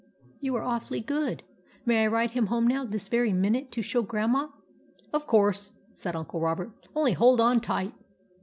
You are awfully good. May I ride him home now, this very minute, to show Grandma ?"" Of course," said Uncle Robert " Only hold on tight."